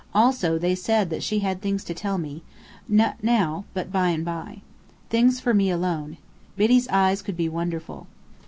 Also they said that she had things to tell me not now but by and by. Things for me alone. Biddy's eyes could be wonderful.